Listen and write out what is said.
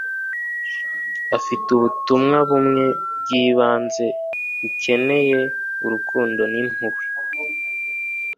afite ubutumwa bumwe bw'ibanze bukeneye urukundo n'impuhwe